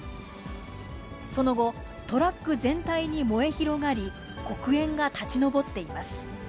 その後、トラック全体に燃え広がり、黒煙が立ち上っています。